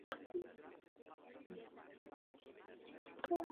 De igual manera, trabajó en "Bartok el Magnífico".